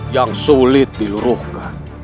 yang sulit diluruhkan